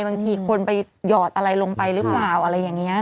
บางทีคนไปหยอดอะไรลงไปหรือเปล่าอะไรอย่างนี้